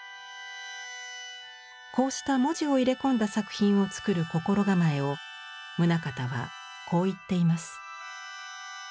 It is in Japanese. こうした文字を入れ込んだ作品を作る心構えを棟方はこう言っています。